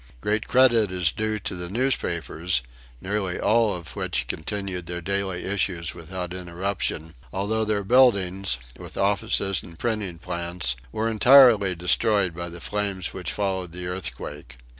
Great credit is due to the newspapers, nearly all of which continued their daily issues without interruption, although their buildings, with offices and printing plants, were entirely destroyed by the flames which followed the earthquake.